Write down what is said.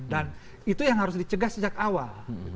dan itu yang harus dicegah sejak awal